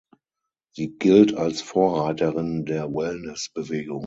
Sie gilt als Vorreiterin der Wellness-Bewegung.